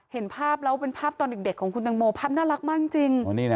เห็นภาพแล้วเป็นภาพตอนเด็กของคุณตังโมภาพน่ารักมากจริง